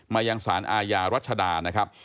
มายังศาลอายารัชฎานะครับ